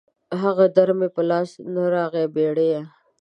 هغه در مې په لاس نه راغی بېړيه